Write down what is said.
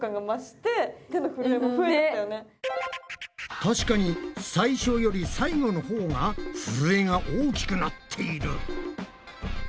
たしかに最初より最後のほうがふるえが大きくなっている。